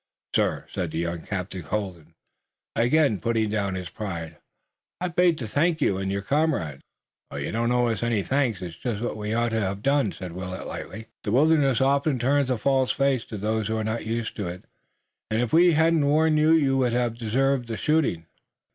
"Sir," said young Captain Colden, again putting down his pride, "I beg to thank you and your comrades." "You don't owe us any thanks. It's just what we ought to have done," said Willet lightly. "The wilderness often turns a false face to those who are not used to it, and if we hadn't warned you we'd have deserved shooting."